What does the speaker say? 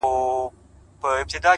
هره ورځ د ځان د بیا تعریف چانس دی!